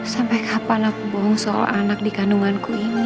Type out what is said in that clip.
sampai kapan aku bohong soal anak di kandunganku ini